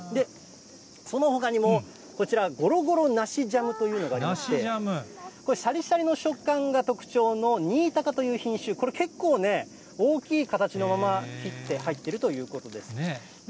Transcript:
そのほかにもこちら、ごろごろ梨ジャムというのがありまして、これ、しゃりしゃりの食感が特徴の新高という品種、これ結構ね、大きい形のまま、切って入っているということです。